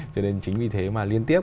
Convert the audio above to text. cho nên chính vì thế mà liên tiếp